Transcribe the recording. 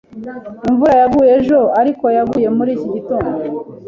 Imvura yaguye ejo, ariko yaguye muri iki gitondo.